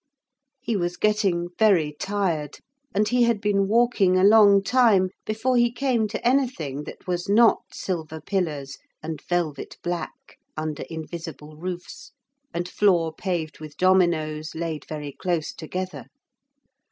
He was getting very tired, and he had been walking a long time, before he came to anything that was not silver pillars and velvet black under invisible roofs, and floor paved with dominoes laid very close together.